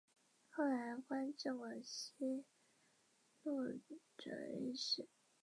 而主看台顶盖由于开始漏水亦更换包层。